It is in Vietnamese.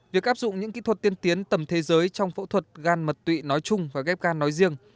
việc áp dụng những kỹ thuật tiên tiến tầm thế giới trong phẫu thuật gan mật tụy nói chung và ghép gan nói riêng